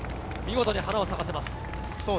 見事に花を咲かせます。